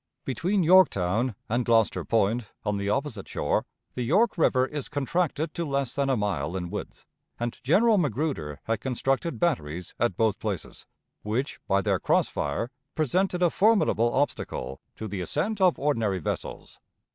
Between Yorktown and Gloucester Point, on the opposite shore, the York River is contracted to less than a mile in width, and General Magruder had constructed batteries at both places, which, by their cross fire, presented a formidable obstacle to the accent of ordinary vessels.